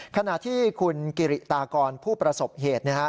ขณะที่คุณกิริตากรผู้ประสบเหตุ